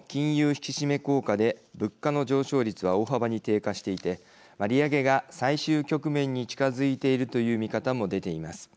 引き締め効果で物価の上昇率は大幅に低下していて利上げが最終局面に近づいているという見方も出ています。